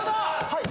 はい。